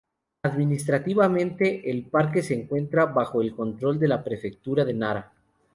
Administrativamente, el parque se encuentra bajo el control de la prefectura de Nara.